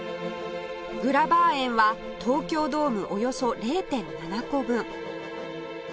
グラバー園は東京ドームおよそ ０．７ 個分